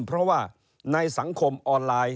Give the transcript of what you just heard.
เพราะว่าในสังคมออนไลน์